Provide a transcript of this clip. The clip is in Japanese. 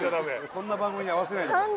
こんな番組に合わせないでください